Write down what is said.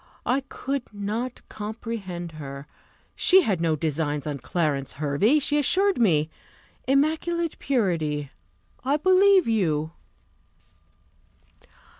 I could not comprehend her; she had no designs on Clarence Hervey, she assured me. Immaculate purity! I believe you.